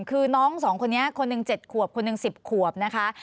คือน้องสองคนนี้คนหนึ่ง๗ขวบคนหนึ่ง๑๐ขวบนะคะ